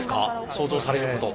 想像されること。